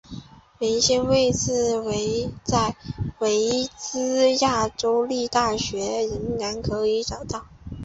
原先的位置在维兹亚州立大学仍然可以找到。